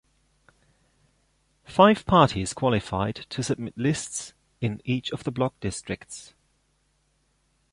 Five parties qualified to submit lists in each of the block districts.